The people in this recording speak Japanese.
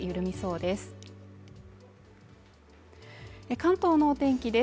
関東のお天気です